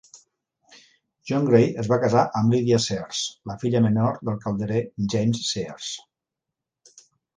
John Gray es va casar amb Lydia Shears, la filla menor del calderer James Shears.